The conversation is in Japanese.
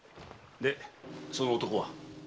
でその男は？